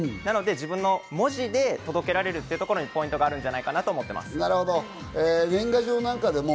なので自分の文字で届けられるというところにポイントがあるじゃないかなと思っています。